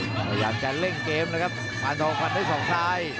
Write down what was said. พยายามจะเร่งเกมนะครับปานทองฟันด้วยสองซ้าย